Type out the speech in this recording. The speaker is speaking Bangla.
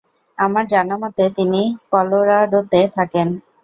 আমার জানামতে তিনি কলোরাডোতে থাকেন।